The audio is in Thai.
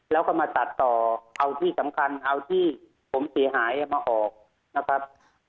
แล้วก็มาตัดต่อเอาที่สำคัญเอาที่ผมเสียหายมาออกนะครับ